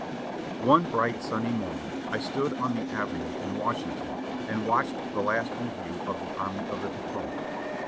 One bright, sunny morning I stood on the Avenue in Wash ington and watched the last review of the Army of the Potomac.